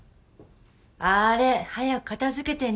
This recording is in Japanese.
あれ早く片付けてね。